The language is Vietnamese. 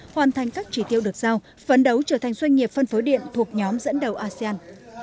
hoàn thành các chỉ tiêu được giao phấn đấu trở thành doanh nghiệp phân phối điện thuộc nhóm dẫn đầu asean